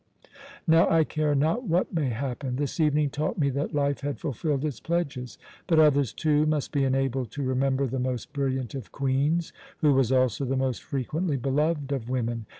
"Now I care not what may happen. This evening taught me that life had fulfilled its pledges. But others, too, must be enabled to remember the most brilliant of queens, who was also the most fervently beloved of women.